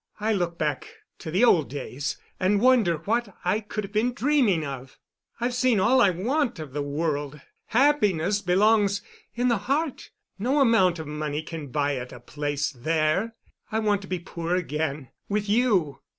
I look back to the old days and wonder what I could have been dreaming of. I've seen all I want of the world. Happiness belongs in the heart—no amount of money can buy it a place there. I want to be poor again—with you.